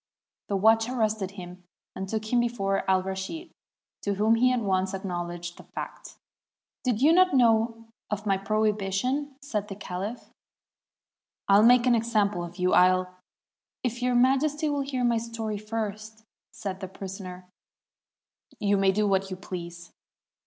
The watch arrested him, and took him before Alraschid, to whom he at once acknowledged the fact. "Did you not know of my prohibition?" said the caUph. "I'll make an example of you; I'll —" "If Your Majesty will hear my story first," said the prisoner, "you may do what you please."